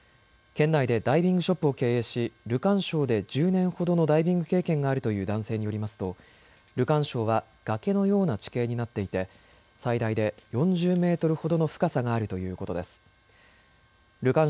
県内でダイビングショップを経営しルカン礁で１０年ほどのダイビング経験があるという男性によりますとルカン礁は崖のような地形になっていて最大で４０メートルほどの深さがあるということです。